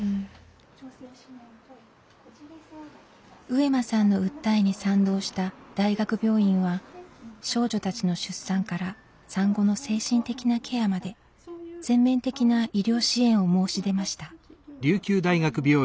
上間さんの訴えに賛同した大学病院は少女たちの出産から産後の精神的なケアまで全面的な医療支援を申し出ました。